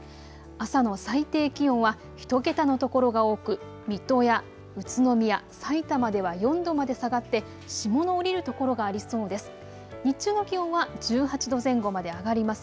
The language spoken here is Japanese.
朝の最低気温は１桁の所が多く水戸や宇都宮、さいたまでは４度まで下がって霜の降りる所がありそうです。